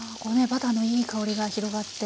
バターのいい香りが広がって。